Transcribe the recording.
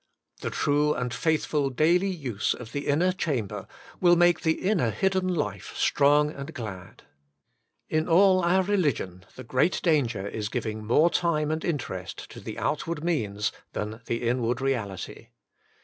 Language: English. The true and faithful daily use of the inner chamber will make the inner hidden life strong and glad. In all our religion the great danger is giving more time and interest to the outward means than the inward reality.